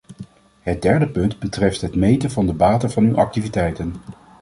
Het derde punt betreft het meten van de baten van uw activiteiten.